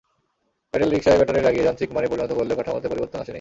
Pedal রিকশায় battery লাগিয়ে যান্ত্রিক যানে পরিণত করলেও কাঠামোতে পরিবর্তন আসেনি।